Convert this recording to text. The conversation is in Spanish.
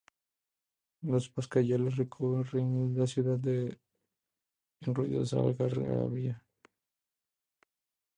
Los pasacalles recorren la ciudad en ruidosa algarabía